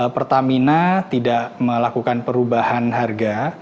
pertamina tidak melakukan perubahan harga